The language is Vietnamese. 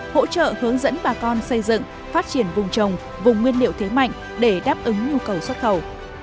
hỗ trợ hướng dẫn bà con xây dựng phát triển vùng trồng vùng nguyên liệu thế mạnh để đáp ứng nhu cầu xuất khẩu